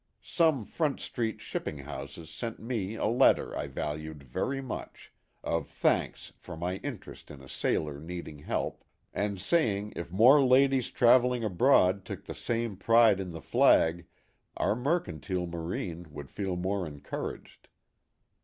Some Front Street shipping houses sent me a letter I valued very much ; of thanks for my interest in a sailor needing help, and saying if more ladies traveling abroad took the same THE HAT OF THE POSTMASTER. 165 pride in the flag our mercantile marine would feel more encouraged.